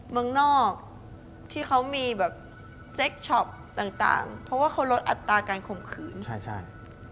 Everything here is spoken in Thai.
เมืองนอกที่เขามีเซ็กช็อปต่างเพราะว่าเขารดอัตราการข่มขืน